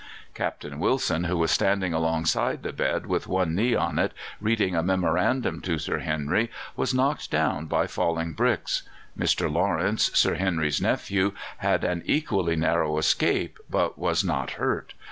Captain Wilson, who was standing alongside the bed with one knee on it, reading a memorandum to Sir Henry, was knocked down by falling bricks. Mr. Lawrence, Sir Henry's nephew, had an equally narrow escape, but was not hurt.